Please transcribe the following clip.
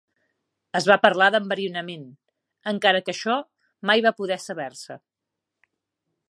Es va parlar d'enverinament, encara que això mai va poder saber-se.